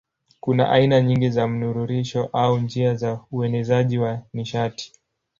Kuna aina nyingi za mnururisho au njia za uenezaji wa nishati.